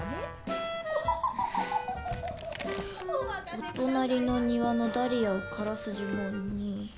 「お隣の庭のダリアを枯らす呪文」に。